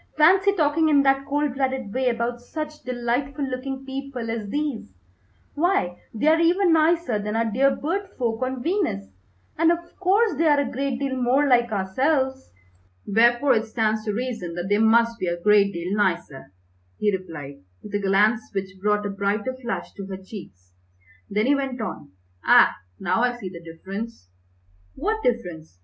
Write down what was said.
Fancy talking in that cold blooded way about such delightful looking people as these, why, they are even nicer than our dear bird folk on Venus, and of course they are a great deal more like ourselves." "Wherefore it stands to reason that they must be a great deal nicer!" he replied, with a glance which brought a brighter flush to her cheeks. Then he went on, "Ah, now I see the difference." "What difference?